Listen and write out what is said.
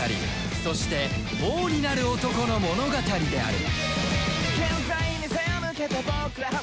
そして王になる男の物語である